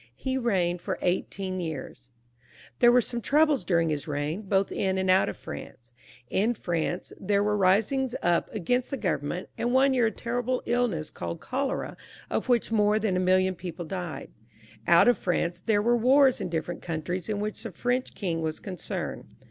Ho reigned for eighteen j ears, TlK\n> were some troubles during his reign, both in and out of Fmnoe« In France there were risings np against Uio go>*orument, and one year a terrible iUness, called oholom> of wluoli moi>^ than a million people died. Out of Fruuv there wore wars in diflterent countries in which the Fit>noh king was concerned.